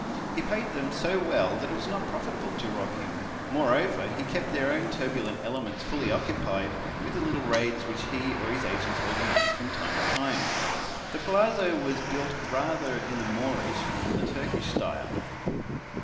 He paid them so well that it was not profitable to rob him; moreover he kept their own turbulent elements fully occupied with the little raids which he or his agents organized from time to time. The palazzo was built rather in the Moorish than in the Turkish style.